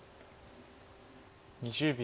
２０秒。